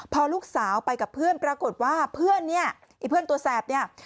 พอลูกสาวไปกับเพื่อนปรากฏว่าเพื่อนเนี่ยไอ้เพื่อนตัวแสบเนี่ย